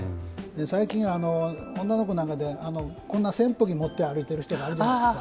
最近、女の子なんかで扇風機なんか持って歩いてる人いるじゃないですか。